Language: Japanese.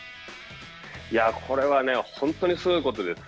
これは本当にすごいことです。